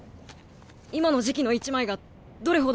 今の時期の１枚がどれほど。